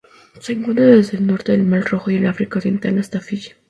Se encuentra desde el norte del Mar Rojo y el África Oriental hasta Fiyi.